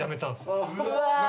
うわ。